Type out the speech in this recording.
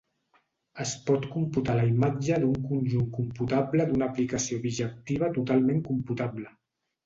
Es pot computar la imatge d'un conjunt computable d'una aplicació bijectiva totalment computable.